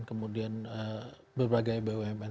kemudian berbagai bumn